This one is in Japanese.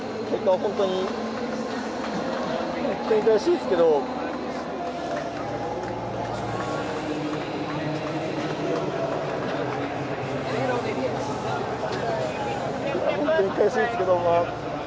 本当に悔しいですけど。